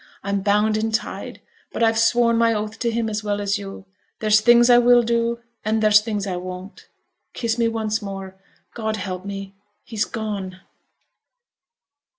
I'm bound and tied, but I've sworn my oath to him as well as yo': there's things I will do, and there's things I won't. Kiss me once more. God help me, he's gone!'